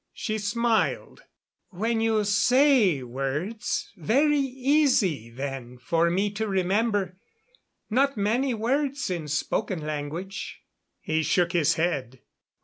She smiled. "When you say words very easy then for me to remember. Not many words in spoken language." He shook his head.